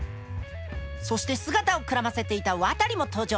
そして姿をくらませていた渡も登場。